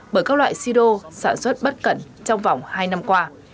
bởi các loại siro sản xuất bất cẩn trong vòng hai năm qua